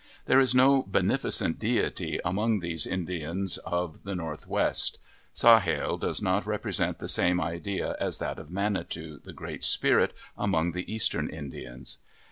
There is no beneficent deity among these Indians of the Northwest. Sahale does not represent the same idea as that of Manitou, the Great Spirit, among the eastern Indians.